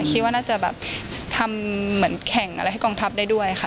คิดว่าน่าจะแบบทำเหมือนแข่งอะไรให้กองทัพได้ด้วยค่ะ